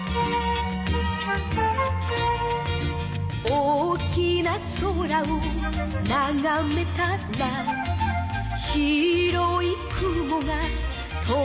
「大きな空をながめたら」「白い雲が飛んでいた」